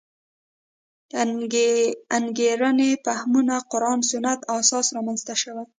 انګېرنې فهمونه قران سنت اساس رامنځته شوې.